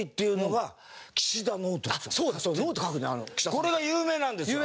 これが有名なんですよ。